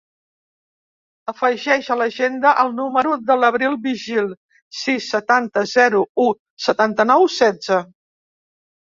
Afegeix a l'agenda el número de l'Abril Vigil: sis, setanta, zero, u, setanta-nou, setze.